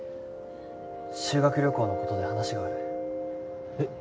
修学旅行のことで話があるえっ